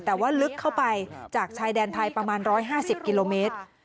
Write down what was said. แต่ว่าลึกเข้าไปจากชายแดนไทยประมาณ๑๕๐กิโลเมตร